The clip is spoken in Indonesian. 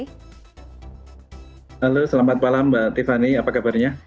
halo selamat malam mbak tiffany apa kabarnya